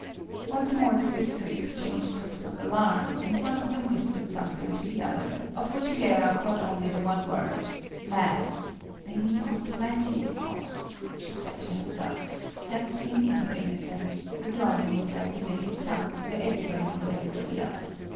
Once more the sisters exchanged looks of alarm, and one of them whispered something to the other, of which Clara caught only the one word "mad." "They mean Aunt Mattie, of course," she said to herself fancying, in her innocence, that London was like her native town, where everybody knew everybody else.